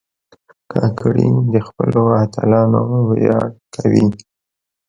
کاکړي د خپلو اتلانو ویاړ کوي.